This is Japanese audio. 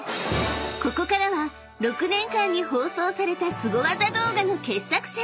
［ここからは６年間に放送されたすご技動画の傑作選］